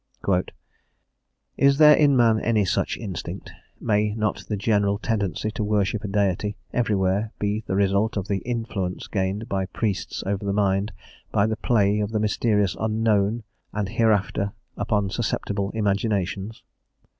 * "Is there in man any such Instinct? May not the general tendency to worship a Deity, everywhere be the result of the influence gained by Priests over the mind by the play of the mysterious Unknown and Hereafter upon susceptible imaginations?